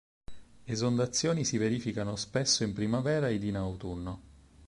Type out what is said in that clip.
Esondazioni si verificano spesso in primavera ed in autunno.